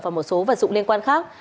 và một số vật dụng liên quan khác